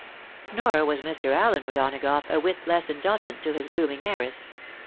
Nor was Mr. Allen O'Donagough a whit less indulgent to his blooming heiress.